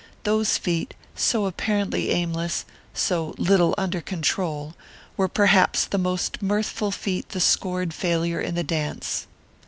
Those feet, so apparently aimless, so little under control, were perhaps the most mirthful feet the scored failure in the dance.